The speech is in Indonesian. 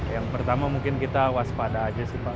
yang pertama mungkin kita waspada aja sih pak